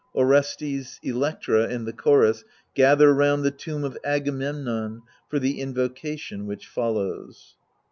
\Orestes, Electra^ and the Chorus gather round the tomb of Agamemnon for the invoca tion which follows.